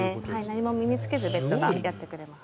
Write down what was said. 何も身に着けずベッドがやってくれます。